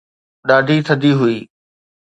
ڏاڍي ٿڌي هئي